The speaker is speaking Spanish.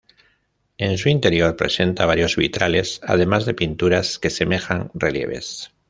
En su interior presenta varios vitrales, además de pinturas que semejan relieves.